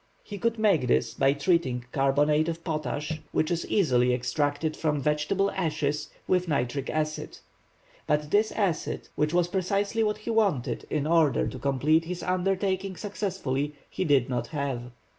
He could make this by treating carbonate of potash, which is easily extracted from vegetable ashes, with nitric acid. But this acid, which was precisely what he wanted in order to complete his undertaking successfully, he did not have.